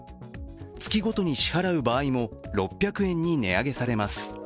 月ごとに支払う場合も６００円に値上げされます。